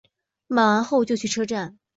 买完后就去车站